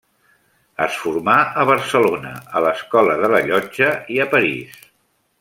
Es formà a Barcelona a l'Escola de la Llotja i a París.